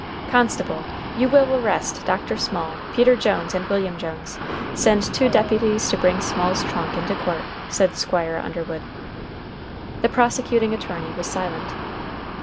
"Constable, you will arrest Dr. Small, Peter Jones, and William Jones. Send two deputies to bring Small's trunk into court," said Squire Underwood. The prosecuting attorney was silent.